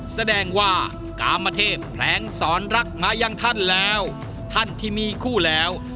แสดงว่ากามเทพแพลงสอนรักมายังท่านแล้วท่านที่มีคู่แล้ว